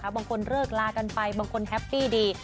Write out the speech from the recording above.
บางคนเลิกลากันไปบางคนแฮปปี้ดี